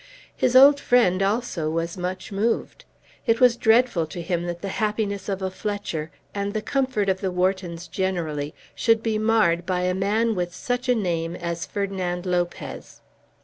His old friend also was much moved. It was dreadful to him that the happiness of a Fletcher, and the comfort of the Whartons generally, should be marred by a man with such a name as Ferdinand Lopez.